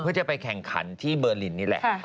เพื่อจะไปแข่งขันที่เบอร์ลินนี่แหละ